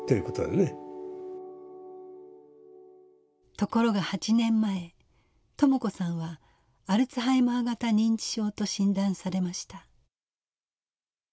ところが８年前朋子さんはアルツハイマー型認知症と診断されました。